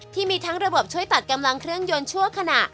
ที่มีทั้งระบบช่วยตัดกำลังเครื่องยนต์ชั่วขณะ